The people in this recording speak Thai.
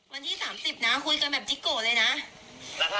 วันที่๓๐คุยกันแบบจิกโหลเลยนะคะ